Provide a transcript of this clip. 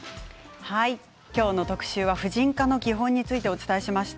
今日の特集は婦人科の基本についてお伝えしました。